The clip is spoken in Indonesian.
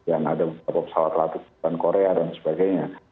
ada beberapa pesawat latar terbang korea dan sebagainya